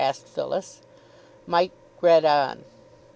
asked Phyllis. Mike read on.